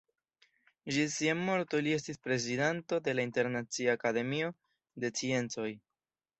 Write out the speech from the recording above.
Ĝis sia morto li estis prezidanto de la Internacia Akademio de Sciencoj.